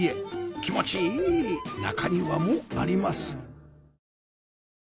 気持ちいい中庭もあります